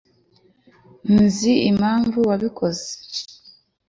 nzi impamvu wabikoze